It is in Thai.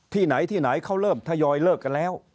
ที่ไหนที่ไหนเขาเริ่มทยอยเลิกกันแล้ว